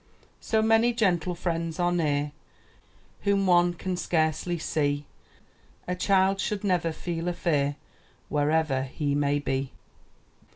So many gentle Friends are near Whom one can scarcely see, A child should never feel a fear, Wherever he may be.